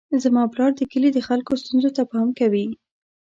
زما پلار د کلي د خلکو ستونزو ته پام کوي.